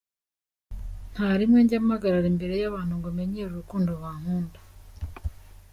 Nta rimwe njya mpagarara imbere y’abantu ngo menyere urukundo bankunda.